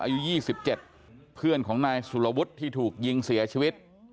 อายุ๒๗เพื่อนของนายสุรวุฒิที่ถูกยิงเสียชีวิต